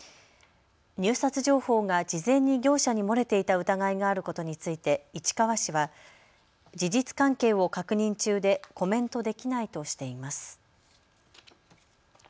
入札情報が事前に業者に漏れていた疑いがあることについて市川市は事実関係を確認中でコメントできないとしています。